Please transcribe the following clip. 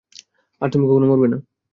আর তুমি কখনো মরবেও না।